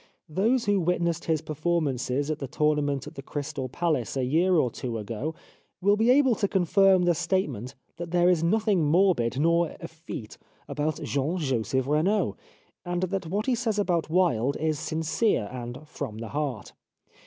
Those who witnessed his performances at the tournament at the Crystal Palace a year or two ago will be able to confirm the statement that there is nothing morbid, nor effete, about Jean Joseph Renaud, and that what he says about Wilde is sincere and from the heart.